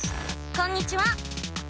こんにちは。